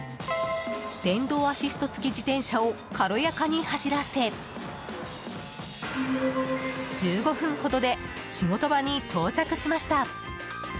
電動アシスト付き自転車を軽やかに走らせ１５分ほどで仕事場に到着しました。